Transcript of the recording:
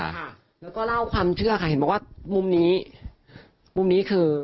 ค่ะแล้วก็เล่าความเชื่อค่ะเห็นบอกว่ามุมนี้มุมนี้คือ